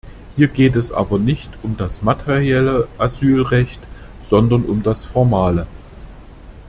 Hier geht es aber nicht um das materielle Asylrecht, sondern um das formale.